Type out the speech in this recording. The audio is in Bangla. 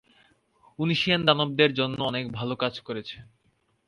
ঊশিয়ান দানবদের জন্য অনেক ভালো কাজ করেছে।